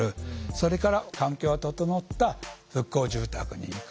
それから環境が整った復興住宅に行く。